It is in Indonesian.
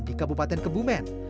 di kabupaten kebumen